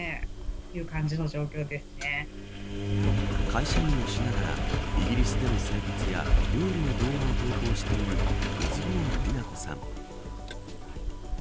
会社員をしながらイギリスでの生活や料理の動画を投稿しているオズボーン未奈子さん。